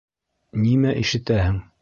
— Нимә ишетәһең?